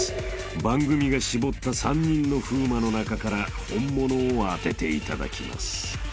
［番組が絞った３人の風磨の中から本物を当てていただきます］